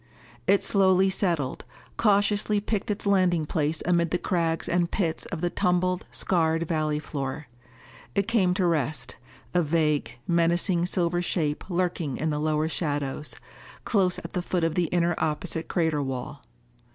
It slowly settled, cautiously picked its landing place amid the crags and pits of the tumbled, scarred valley floor. It came to rest, a vague, menacing silver shape lurking in the lower shadows, close at the foot of the inner opposite crater wall.